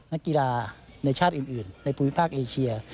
นักกีฬาในชาติอื่นในภูมิภาคเอเชีย